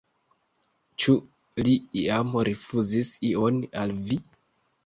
Ĉu li iam rifuzis ion al vi?